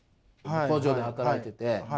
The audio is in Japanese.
工場で働いてて。